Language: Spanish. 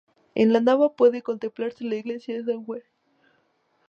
En La Nava puede contemplarse la iglesia de San Juan.